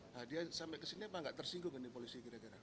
nah dia sampai kesini apa gak tersinggung kan di polisi kira kira